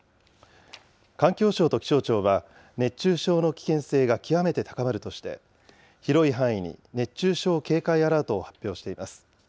環境省と気象庁は、熱中症の危険性が極めて高まるとして、広い範囲に熱中症警戒アラートを発表しています。